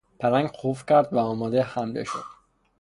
پلنگ خف کرد و آمادهی حمله شد.